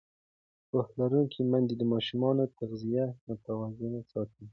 پوهه لرونکې میندې د ماشومانو تغذیه متوازنه ساتي.